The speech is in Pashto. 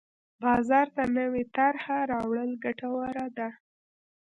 بازار ته نوې طرحه راوړل ګټوره ده.